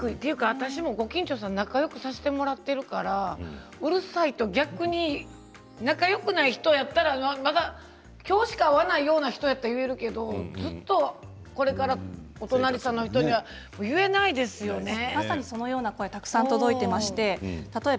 私もご近所さんと仲よくさせてもらっているからうるさいと逆に仲よくない人やったらもし今日しか会わないような人だったら言えるけどずっとこれから、お隣さんの人このような声が届いています。